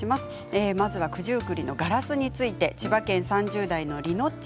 九十九里のガラスについて千葉県３０代の方。